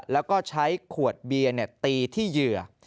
แล้วก็ใช้ขวดเบียร์ตีที่เหยื่อ